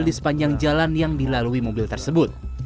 di sepanjang jalan yang dilalui mobil tersebut